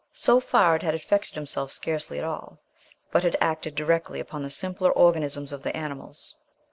So far it had affected himself scarcely at all, but had acted directly upon the simpler organisms of the animals.